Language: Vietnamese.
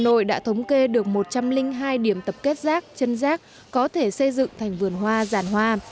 hà nội đã thống kê được một trăm linh hai điểm tập kết rác chân rác có thể xây dựng thành vườn hoa ràn hoa